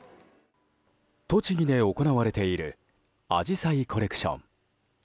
栃木で行われているアジサイコレクション。